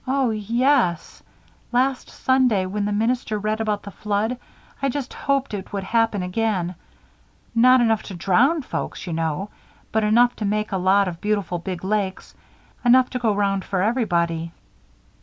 "Oh, yes. Last Sunday, when the minister read about the Flood I just hoped it would happen again. Not enough to drown folks, you know, but enough to make a lot of beautiful big lakes enough to go round for everybody."